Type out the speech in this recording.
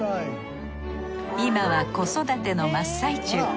今は子育ての真っ最中。